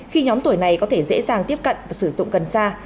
khi nhóm tuổi này có thể dễ dàng tiếp cận và sử dụng cần sa